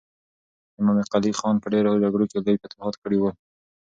امام قلي خان په ډېرو جګړو کې لوی فتوحات کړي ول.